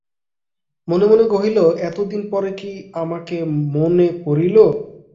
মনে মনে কহিল, এতদিন পরে কি আমাকে মনে পড়িল?